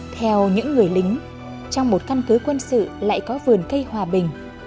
theo những người lính trong một căn cứ quân sự lại có vườn cây hòa bình